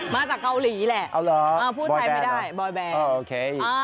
มาจากเกาหลีแหละพูดไทยไม่ได้บอยแบนโอเค